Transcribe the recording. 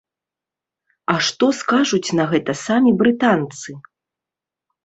А што скажуць на гэта самі брытанцы?